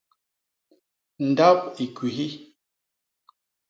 Ndap i kwihi.